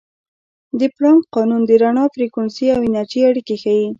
د پلانک قانون د رڼا فریکونسي او انرژي اړیکې ښيي.